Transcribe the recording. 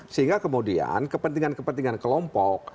sehingga kemudian kepentingan kepentingan kelompok